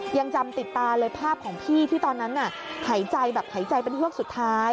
ยังจำติดตาเลยภาพของพี่ที่ตอนนั้นน่ะหายใจแบบหายใจเป็นเฮือกสุดท้าย